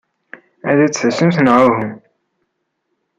Ad d-tasemt neɣ uhu?